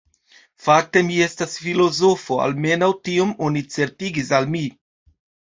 Fakte mi estas filozofo, almenaŭ tion oni certigis al mi.